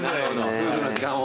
夫婦の時間を。